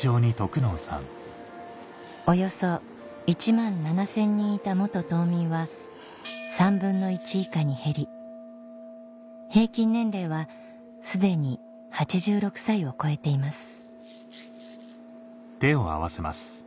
およそ１万７０００人いた島民は３分の１以下に減り平均年齢は既に８６歳を超えています